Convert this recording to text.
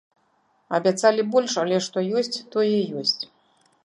Абяцалі больш, але што ёсць, тое ёсць.